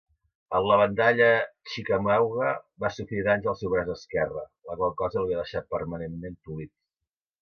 En la batalla Chickamauga, va sofrir danys al seu braç esquerre, la qual cosa li va deixar permanentment tolit.